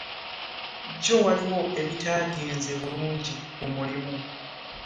Jjo waliwo ebitaagenze bulungi ku mulimu.